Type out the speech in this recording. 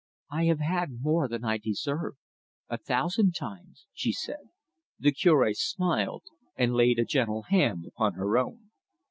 "I have had more than I deserve a thousand times," she said. The Cure smiled, and laid a gentle hand upon her own.